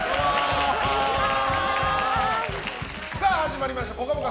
始まりました「ぽかぽか」